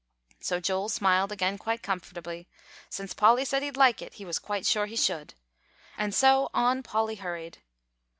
So Joel smiled again quite comfortably; since Polly said he'd like it, he was quite sure he should. And so, on Polly hurried.